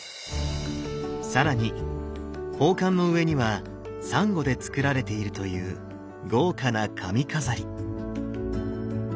更に宝冠の上にはサンゴで造られているという豪華な髪飾り。